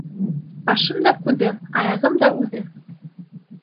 Башым да күҙем, аяғым да үҙем.